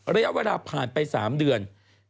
ระยะเวลาผ่านไป๓เดือน